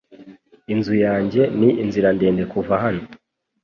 Inzu yanjye ni inzira ndende kuva hano .